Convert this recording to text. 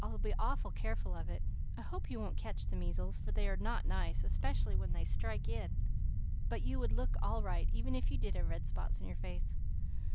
I'll be awful careful of it. I hope you won't catch the measles, for they are not nice, especially when they strike in, but you would look all right, even if you did have red spots on your face.